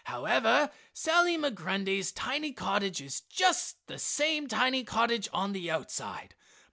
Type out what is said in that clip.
However Sally Migrundy's tiny cottage is just the same tiny cottage on the outside.